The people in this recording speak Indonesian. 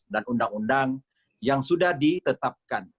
dan undang undang yang sudah ditetapkan